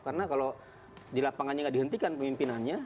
karena kalau di lapangannya tidak dihentikan pemimpinannya